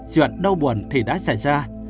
chuyện đau buồn thì đã xảy ra